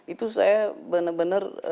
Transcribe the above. itu saya benar benar